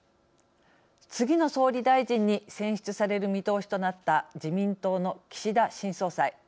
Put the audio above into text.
次の総理大臣に選出される見通しとなった自民党の岸田新総裁。